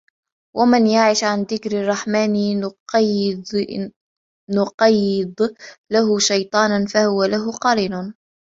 وَمَنْ يَعْشُ عَنْ ذِكْرِ الرَّحْمَنِ نُقَيِّضْ لَهُ شَيْطَانًا فَهُوَ لَهُ قَرِينٌ